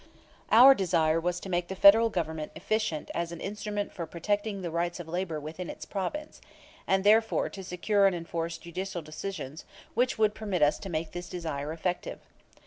Our desire was to make the Federal Government efficient as an instrument for protecting the rights of labor within its province, and therefore to secure and enforce judicial decisions which would permit us to make this desire effective.